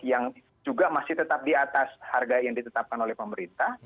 yang juga masih tetap di atas harga yang ditetapkan oleh pemerintah